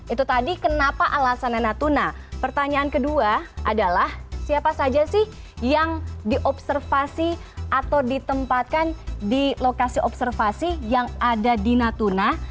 itu tadi kenapa alasannya natuna pertanyaan kedua adalah siapa saja sih yang diobservasi atau ditempatkan di lokasi observasi yang ada di natuna